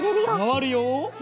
まわるよ。